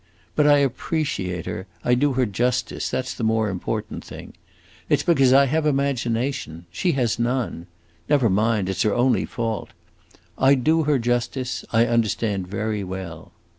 But I appreciate her, I do her justice; that 's the more important thing. It 's because I have imagination. She has none. Never mind; it 's her only fault. I do her justice; I understand very well."